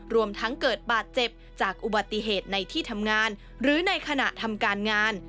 รวมทั้งเกิดบาดเจ็บจากอุบัติเหตุในที่ทำงานหรือในขณะทำการงาน